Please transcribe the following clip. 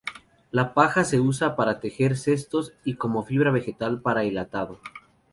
La paja se usa para tejer cestos y como fibra vegetal para el atado.